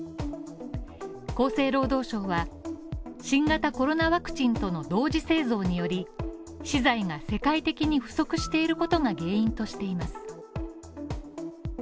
厚生労働省は、新型コロナワクチンとの同時製造により、資材が世界的に不足していることが原因としています。